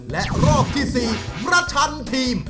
และรอบที่๔ประชันทีม